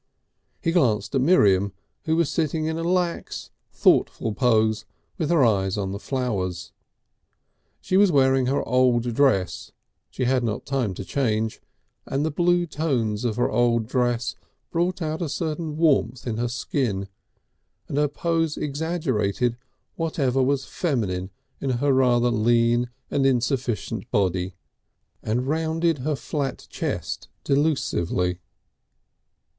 He glanced at Miriam, who was sitting in a lax, thoughtful pose with her eyes on the flowers. She was wearing her old dress, she had not had time to change, and the blue tones of her old dress brought out a certain warmth in her skin, and her pose exaggerated whatever was feminine in her rather lean and insufficient body, and rounded her flat chest delusively.